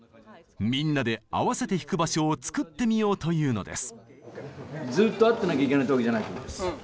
みんなで合わせて弾く場所を作ってみようというのです。